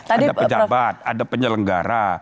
ada pejabat ada penyelenggara